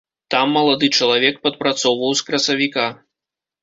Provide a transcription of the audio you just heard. Там малады чалавек падпрацоўваў з красавіка.